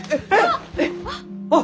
あっ！